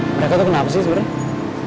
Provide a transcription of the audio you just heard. mereka tuh kenapa sih sebenarnya